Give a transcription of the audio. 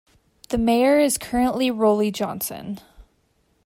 The Mayor is currently Rollie Johnson.